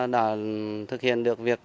đã thực hiện được việc